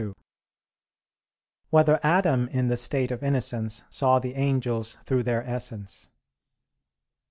2] Whether Adam in the State of Innocence Saw the Angels Through Their Essence?